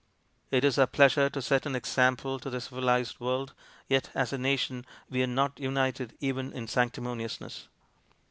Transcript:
It is our pleasure to set an example to the civilized world, yet as a nation we are not united even in sanctimoniousness.